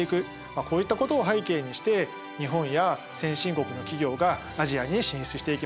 こういったことを背景にして日本や先進国の企業がアジアに進出していきました。